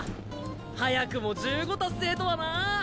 早くも１５達成とはなぁ。